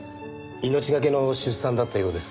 命がけの出産だったようです。